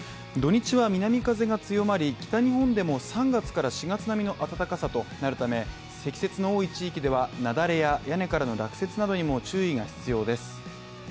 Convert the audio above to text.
土日は南風が強まり、北日本でも３月から４月並みの暖かさとなるため積雪の多い地域では雪崩や屋根からの落雪などにも注意が必要です。